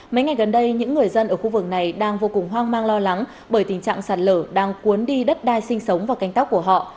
mấy ngày gần đây những người dân ở khu vực này đang vô cùng hoang mang lo lắng bởi tình trạng sạt lở đang cuốn đi đất đai sinh sống và canh tắc của họ